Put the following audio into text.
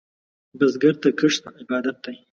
بزګر ته کښت عبادت دی